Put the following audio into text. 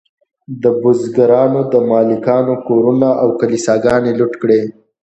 بزګرانو د مالکانو کورونه او کلیساګانې لوټ کړې.